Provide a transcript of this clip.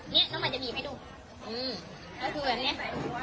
เนี้ยน้องมันจะหยิบให้ดูอืมแล้วดูอย่างเนี้ยใส่หรอค่ะ